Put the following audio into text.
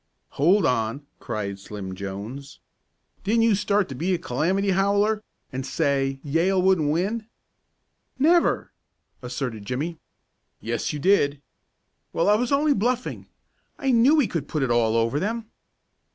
"Hold on!" cried Slim Jones. "Didn't you start to be a calamity howler, and say Yale wouldn't win?" "Never!" asserted Jimmie. "Yes, you did!" "Well, I was only bluffing. I knew we could put it all over them."